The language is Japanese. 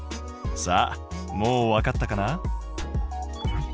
さあもうわかったかな？